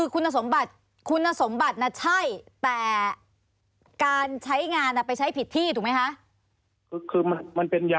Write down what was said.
อ๋อค่ะนี่เขาก็ครับ